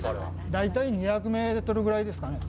大体２００メートルぐらいですかね。